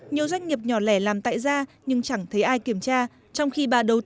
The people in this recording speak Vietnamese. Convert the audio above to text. nhiều doanh nghiệp nhỏ lẻ làm tại ra nhưng chẳng thấy ai kiểm tra